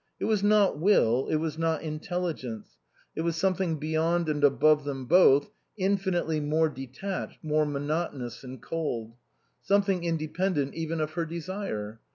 It was not will, it was not intelligence ; it was something beyond and above them both, infi nitely more detached, more monotonous and cold ; something independent even of her desire.